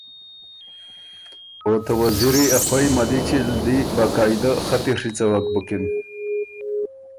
او ته وزیری ا خوئ څُون ملِچی ل دی با قاعده خطی ڒیڅَوَکِن بُکِن